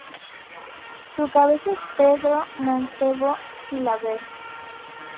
Su cabeza es Pedro Mancebo Gilabert.